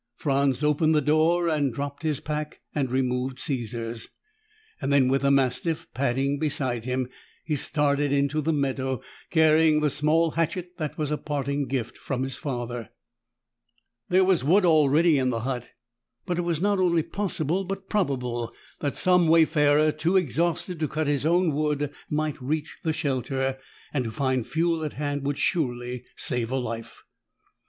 Franz opened the door, dropped his pack and removed Caesar's. Then, with the mastiff padding beside him, he started into the meadow, carrying the small hatchet that was a parting gift from his father. There was wood already in the hut. But it was not only possible but probable that some wayfarer too exhausted to cut his own wood might reach the shelter, and to find fuel at hand would surely save a life.